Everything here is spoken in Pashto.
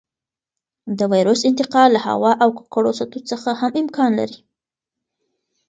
د وېروس انتقال له هوا او ککړو سطحو څخه هم امکان لري.